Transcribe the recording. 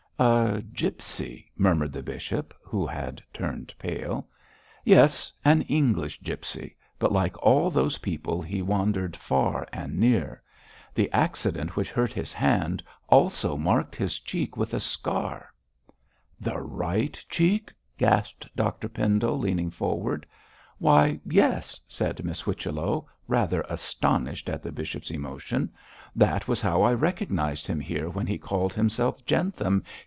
'A gipsy,' murmured the bishop, who had turned pale. 'Yes; an English gipsy, but like all those people he wandered far and near. The accident which hurt his hand also marked his cheek with a scar.' 'The right cheek?' gasped Dr Pendle, leaning forward. 'Why, yes,' said Miss Whichello, rather astonished at the bishop's emotion; 'that was how I recognised him here when he called himself Jentham.